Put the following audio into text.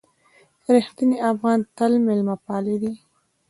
رښتیني افغانان تل مېلمه پالي دي.